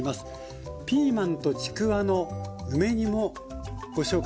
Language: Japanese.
「ピーマンとちくわの梅煮」もご紹介してます。